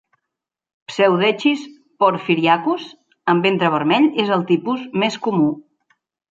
"Pseudechis porphyriacus" amb ventre vermell és el tipus més comú.